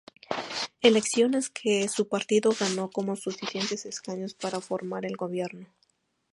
Elecciones que su partido ganó con suficientes escaños para formar el gobierno.